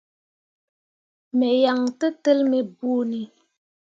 Me yan tǝtel me bõoni.